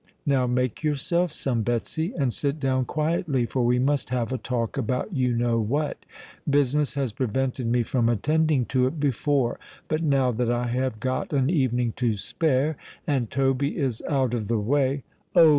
Now make yourself some, Betsy; and sit down quietly, for we must have a talk about you know what. Business has prevented me from attending to it before; but now that I have got an evening to spare—and Toby is out of the way——" "Oh!